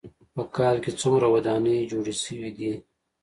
په کال کې څومره ودانۍ جوړې شوې دي.